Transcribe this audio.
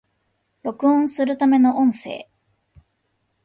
録音するための音声